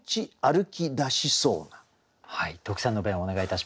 特選の弁をお願いいたします。